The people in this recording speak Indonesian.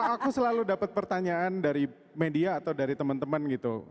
aku selalu dapat pertanyaan dari media atau dari teman teman gitu